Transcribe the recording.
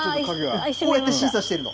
こうやって審査しているの。